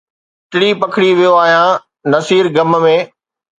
ٽڙي پکڙي ويو آهيان، نصير غم ۾